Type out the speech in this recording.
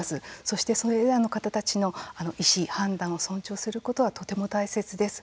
そして、それらの方たちの意思、判断を尊重することはとても大切です。